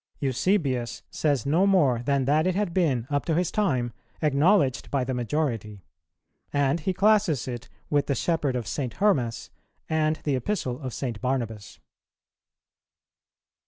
Eusebius says no more than that it had been, up to his time, acknowledged by the majority; and he classes it with the Shepherd of St. Hermas and the Epistle of St. Barnabas.